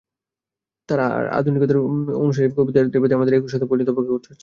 তাঁর আধুনিকতার অনুসারী কবিদের পেতে আমাদের একুশ শতক পর্যন্ত অপেক্ষা করতে হচ্ছে।